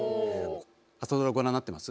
朝ドラご覧になってます？